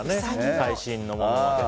最新のものまで。